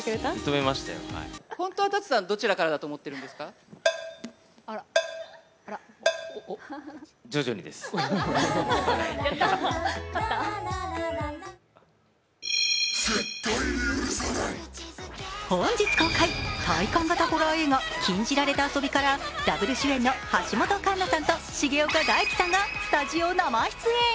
今年６月に結婚したお二人ですが本日公開、体感型ホラー映画「禁じられた遊び」からダブル主演の橋本環奈さんと重岡大毅さんがスタジオ生出演。